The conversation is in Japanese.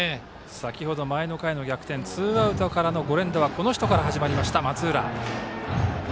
先程、前の回の逆転ツーアウトからの５連打はこの人から始まりました、松浦。